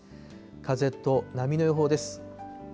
風と波の予報です。